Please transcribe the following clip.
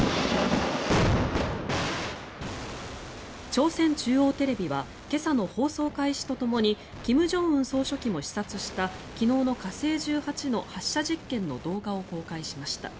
朝鮮中央テレビは今朝の放送開始とともに金正恩総書記も視察した昨日の火星１８の発射実験の動画を公開しました。